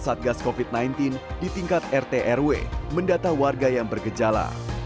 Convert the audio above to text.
satgas covid sembilan belas di tingkat rt rw mendata warga yang bergejala